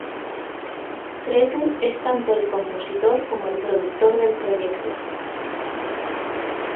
Cretu es tanto el compositor como el productor del proyecto.